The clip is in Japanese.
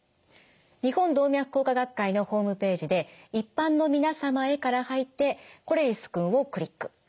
日本動脈硬化学会のホームページで「一般の皆様へ」から入って「これりすくん」をクリック。